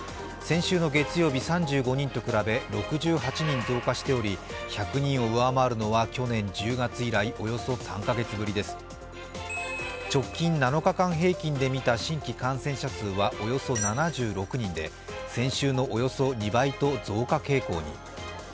先週の月曜日、３５人と比べ６８人増加しており、１００人を上回るのは去年１０月以来およそ３カ月ぶりです直近７日間平均で見た新規感染者数はおよそ７６人で、先週のおよそ２倍と増加傾向に。